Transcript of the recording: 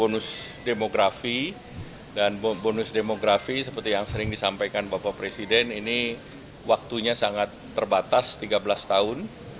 bonus demografi dan bonus demografi seperti yang sering disampaikan bapak presiden ini waktunya sangat terbatas tiga belas tahun